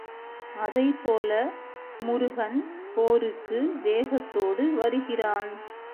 அதைப்போல முருகன் போருக்கு வேகத்தோடு வருகிறான்.